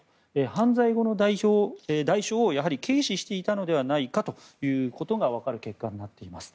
犯罪後の代償をやはり軽視していたのではないかということが分かる結果になっています。